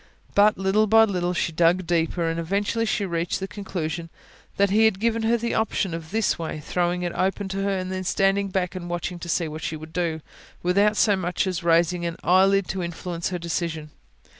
But, little by little, she dug deeper, and eventually she reached the [P.265] conclusion that He had given her the option of this way, throwing it open to her and then standing back and watching to see what she would do, without so much as raising an eyelid to influence her decision.